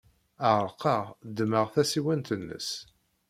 Ɛerqeɣ, ddmeɣ tasiwant-nnes.